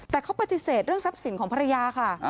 แต่เขาปฏิเสธเรื่องทรัพย์สินของภรรยาค่ะ